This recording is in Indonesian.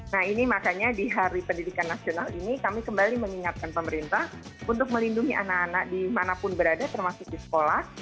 nah ini makanya di hari pendidikan nasional ini kami kembali mengingatkan pemerintah untuk melindungi anak anak dimanapun berada termasuk di sekolah